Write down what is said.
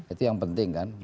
itu yang penting kan